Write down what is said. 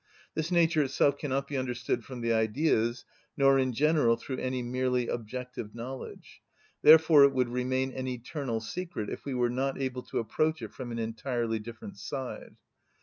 This nature itself cannot be understood from the Ideas, nor in general through any merely objective knowledge; therefore it would remain an eternal secret if we were not able to approach it from an entirely different side.